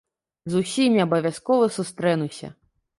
З усімі абавязкова сустрэнуся.